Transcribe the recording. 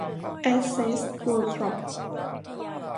แอสเสท เวิรด์ คอร์ป